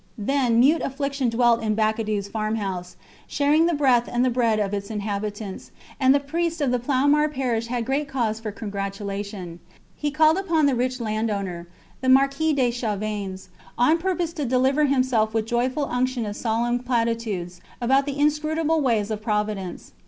Then mute affliction dwelt in Bacadous farmhouse, sharing the breath and the bread of its inhabitants; and the priest of the Ploumar parish had great cause for congratulation. He called upon the rich landowner, the Marquis de Chavanes, on purpose to deliver himself with joyful unction of solemn platitudes about the inscrutable ways of Providence.